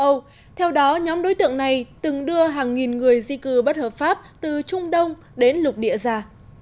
châu âu theo đó nhóm đối tượng này từng đưa hàng nghìn người di cư bất hợp pháp từ trung đông đến lục địa già